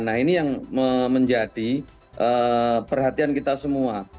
nah ini yang menjadi perhatian kita semua